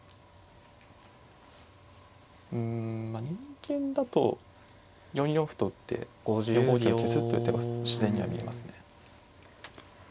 うんまあ人間だと４四歩と打って４五桂を消すという手は自然には見えますね。